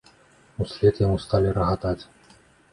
Услед яму сталі рагатаць.